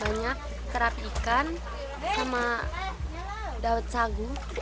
minyak terap ikan sama dawet sagu